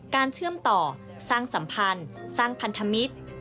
เชื่อมต่อสร้างสัมพันธ์สร้างพันธมิตร